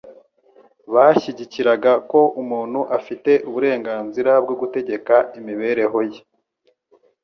Bashyigikiraga ko umuntu afite uburenganzira bwo gutegeka imibereho ye,